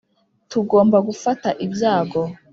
tugomba gufata ibyago.